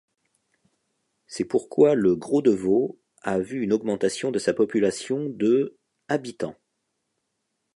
C'est pourquoi le Gros-de-Vaud a vu une augmentation de sa population de habitants.